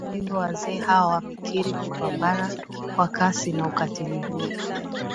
Hata hivyo wazee hao wamekiri kupambana kwa kasi na ukatili huo